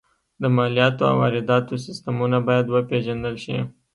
د مالیاتو او وارداتو سیستمونه باید وپېژندل شي